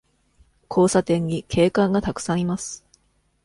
交差点に警官がたくさんいます。